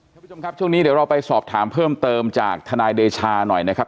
คุณผู้ชมครับช่วงนี้เดี๋ยวเราไปสอบถามเพิ่มเติมจากทนายเดชาหน่อยนะครับ